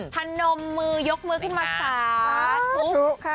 ถนมมือยกมือขึ้นมาค่ะ